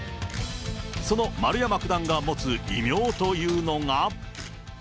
その丸山九段が持つ異名というのが。